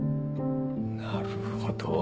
なるほど。